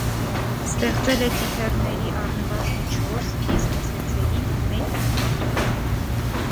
Ստեղծել է թիթեռների առնվազն չորս, իսկ ցեցերի՝ մեկ նկար։